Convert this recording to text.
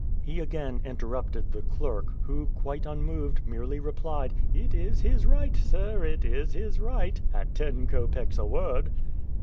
He again interrupted the clerk, who, quite unmoved, merely replied: "It is his right, sir, it is his right at ten copecks a word."